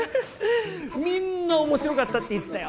みんな面白かったって言ってたよ。